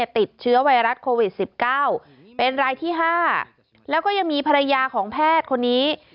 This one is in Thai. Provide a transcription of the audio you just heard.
ติดเชื้อไวรัสโควิด๑๙เป็นรายที่๕แล้วก็ยังมีภรรยาของแพทย์คนนี้